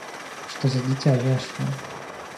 Что за дитя Яшвин?